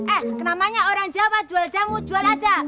eh namanya orang jawa jual jamu jual aja